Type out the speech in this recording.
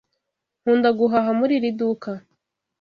Nkunda guhaha muri iri duka.